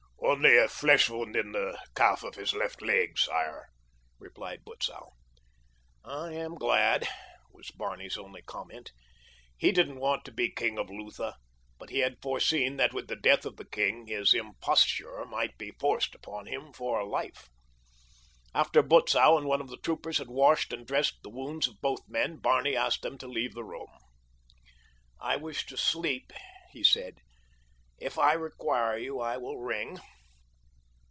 "Only a flesh wound in the calf of his left leg, sire," replied Butzow. "I am glad," was Barney's only comment. He didn't want to be king of Lutha; but he had foreseen that with the death of the king his imposture might be forced upon him for life. After Butzow and one of the troopers had washed and dressed the wounds of both men Barney asked them to leave the room. "I wish to sleep," he said. "If I require you I will ring."